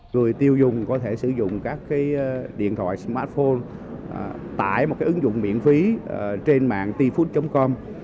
người tiêu dùng có thể sử dụng các điện thoại smartphone tại một ứng dụng miễn phí trên mạng tifood com